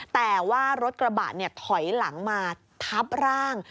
แต่ว่ารถกระบะถอยหลังมาทับร่าง